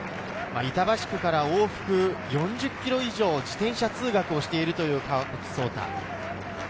板橋区から大きく４０ｋｍ以上、自転車通学をしているという川口颯大。